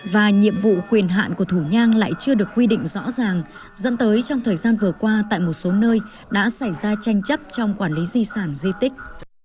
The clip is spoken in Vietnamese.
và nhiệm vụ quyền hạn của thủ nhang lại chưa được quy định rõ ràng dẫn tới trong thời gian vừa qua tại một số nơi đã xảy ra tranh chấp trong quản lý di sản di tích